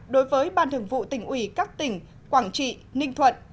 đối với ban thường vụ tỉnh ủy các tỉnh quảng trị ninh thuận